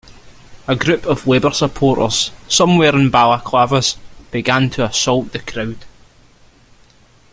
A group of Labour supporters, some wearing balaclavas, began to assault the crowd.